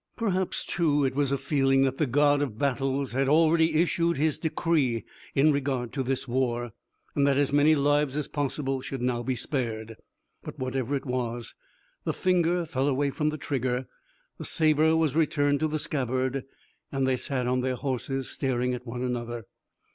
Perhaps, too, it was a feeling that the God of Battles had already issued his decree in regard to this war, and that as many lives as possible should now be spared. But whatever it was, the finger fell away from the trigger, the saber was returned to the scabbard, and they sat on their horses, staring at one another.